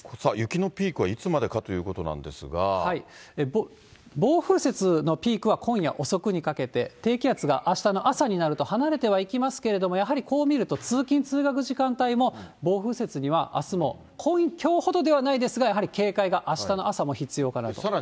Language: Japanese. さあ、雪のピークはいつまでか暴風雪のピークは今夜遅くにかけて、低気圧があしたの朝になると離れてはいきますけれども、やはりこう見ると通勤・通学時間帯も、暴風雪にはあすもきょうほどではないですが、やはり警戒があしたの朝も必要かなと。